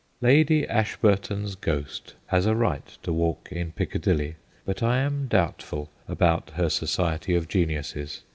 Lady Ashburton's ghost has a right to walk in Piccadilly. But I am doubtful about her society of geniuses.